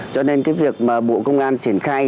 cho nên cái việc mà bộ công an triển khai